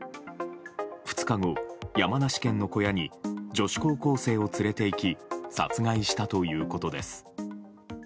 ２日後、山梨県の小屋に女子高校生を連れていき殺害したということです。